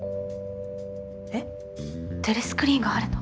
えっテレスクリーンがあるの！？